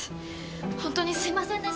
ホントにすいませんでした。